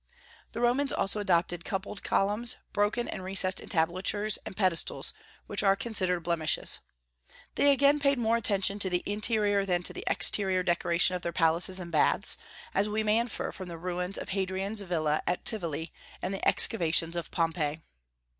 The Romans also adopted coupled columns, broken and recessed entablatures, and pedestals, which are considered blemishes. They again paid more attention to the interior than to the exterior decoration of their palaces and baths, as we may infer from the ruins of Hadrian's villa at Tivoli and the excavations of Pompeii.